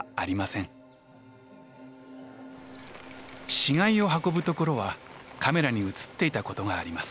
死骸を運ぶところはカメラに写っていたことがあります。